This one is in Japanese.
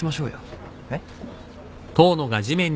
えっ？